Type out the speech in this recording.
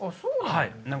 はい。